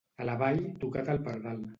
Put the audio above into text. A la Vall, toca't el pardal.